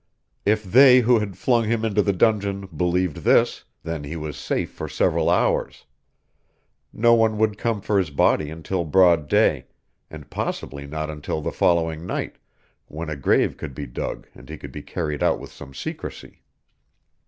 If they who had flung him into the dungeon believed this, then he was safe for several hours. No one would come for his body until broad day, and possibly not until the following night, when a grave could be dug and he could be carried out with some secrecy.